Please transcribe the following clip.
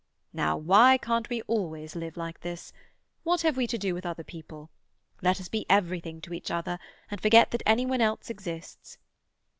"Now, why can't we always live like this? What have we to do with other people? Let us be everything to each other, and forget that any one else exists."